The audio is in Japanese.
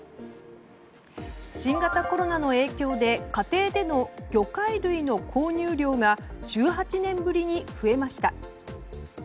新型コロナの影響で家庭での魚介類の購入量が１８年ぶりに増えました。